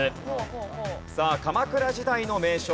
さあ鎌倉時代の名所。